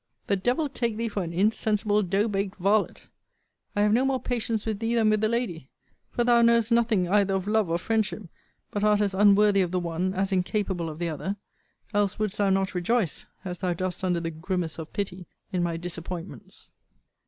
The devil take thee for an insensible dough baked varlet! I have no more patience with thee than with the lady; for thou knowest nothing either of love or friendship, but art as unworthy of the one, as incapable of the other; else wouldst thou not rejoice, as thou dost under the grimace of pity, in my disappointments.